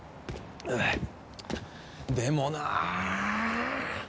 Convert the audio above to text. でもなあ！